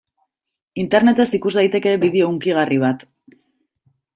Internetez ikus daiteke bideo hunkigarri bat.